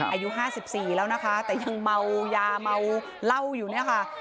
อายุ๕๔แล้วนะคะแต่ยังเมายาเมาเหล้าอยู่เนี่ยค่ะ